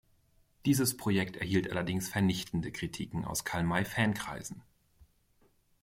Dieses Projekt erhielt allerdings vernichtende Kritiken aus Karl-May-Fankreisen.